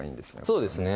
そうですね